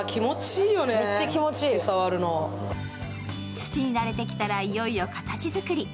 土に慣れてきたら、いよいよ形づくり。